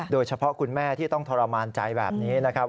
คุณแม่ที่ต้องทรมานใจแบบนี้นะครับ